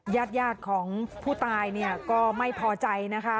ญาติยาดของผู้ตายเนี่ยก็ไม่พอใจนะคะ